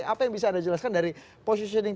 apa yang bisa anda jelaskan dari positioning